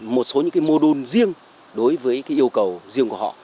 một số những cái mô đun riêng đối với cái yêu cầu riêng của họ